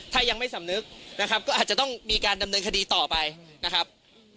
ถ้ายังไม่สำนึกนะครับก็อาจจะต้องมีการดำเนินคดีต่อไปนะครับ